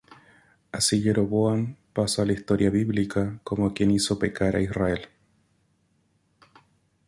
Así Jeroboam pasó a la historia bíblica como quien hizo pecar a Israel.